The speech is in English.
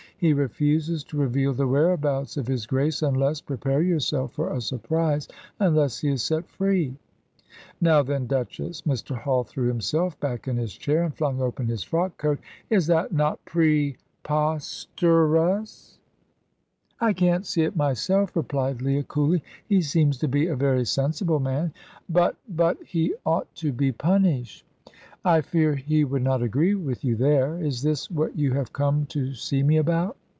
He refuses to reveal the whereabouts of his Grace, unless prepare yourself for a surprise unless he is set free. Now then, Duchess" Mr. Hall threw himself back in his chair, and flung open his frock coat "is that not pre pos ter ous?" "I can't see it myself," replied Leah, coolly. "He seems to be a very sensible man." "But but he ought to be punished." "I fear he would not agree with you there. Is this what you have come to see me about?"